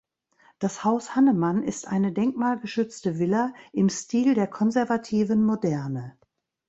Das Haus Hannemann ist eine denkmalgeschützte Villa im Stil der konservativen Moderne.